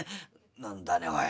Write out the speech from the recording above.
「何だねおい